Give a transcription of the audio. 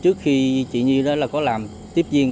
trước khi chị nhi có làm tiếp viên